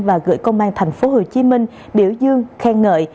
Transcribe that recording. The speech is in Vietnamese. và gửi công an tp hcm biểu dương khen ngợi